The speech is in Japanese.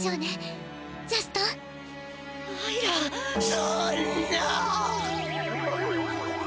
そんな！